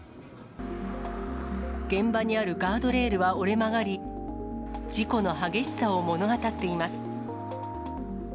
現場にあるガードレールは折れ曲がり、事故の激しさを物語っています。